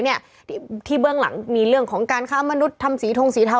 เนี่ยที่เบื้องหลังมีเรื่องของการค้ามนุษย์ทำสีทงสีเทา